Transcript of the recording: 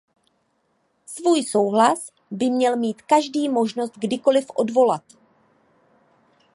Svůj souhlas by měl mít každý možnost kdykoliv odvolat.